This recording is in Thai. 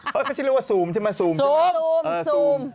ก็ชื่อเรียกว่าซูมใช่ไหมซูม